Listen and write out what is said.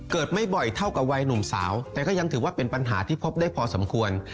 ไม่บ่อยเท่ากับวัยหนุ่มสาวแต่ก็ยังถือว่าเป็นปัญหาที่พบได้พอสมควร